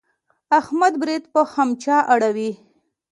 احمد برېت په خمچه اړوي.